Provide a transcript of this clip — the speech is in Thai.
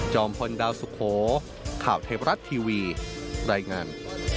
พลดาวสุโขข่าวเทพรัฐทีวีรายงาน